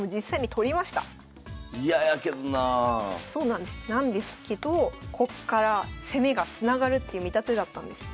なんですけどこっから攻めがつながるっていう見立てだったんです。